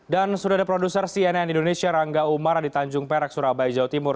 dan sudah ada produser cnn indonesia rangga umar di tanjung perak surabaya jawa timur